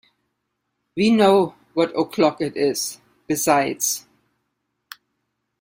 We know what o'clock it is, besides.